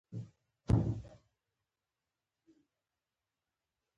بانکونه د مالي سواد په لوړولو کې مرسته کوي.